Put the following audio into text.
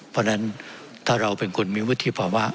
เพราะฉะนั้นถ้าเราเป็นคนมีวุฒิภาวะ